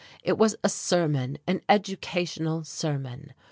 It was a sermon, an educational sermon.